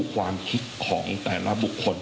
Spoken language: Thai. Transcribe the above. ความคิดของแต่ละบุคคล